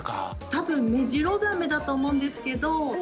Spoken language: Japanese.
たぶんメジロザメだと思うんですけど。